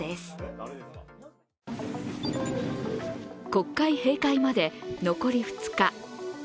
国会閉会まで残り２日。